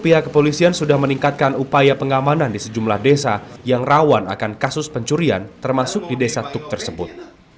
pihak kepolisian sudah meningkatkan upaya pengamanan di sejumlah desa yang rawan akan kasus pencurian termasuk di desa tuk tersebut